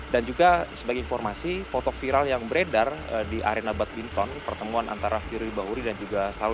dan juga sebagai informasi foto viral yang beredar di arena badminton pertemuan antara firly bahuri dan juga syahrul yassin limpo